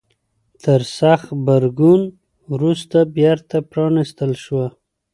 تر سخت غبرګون وروسته بیرته پرانيستل شوه.